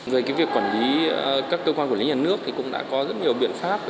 về cái việc quản lý các cơ quan quản lý nhà nước thì cũng đã có rất nhiều biện pháp